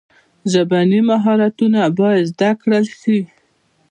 ژبني مهارتونه باید زده کړل سي.